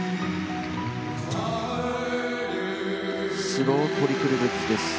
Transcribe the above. スロートリプルルッツです。